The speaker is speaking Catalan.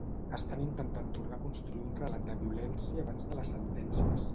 Estan intentant tornar a construir un relat de violència abans de les sentències.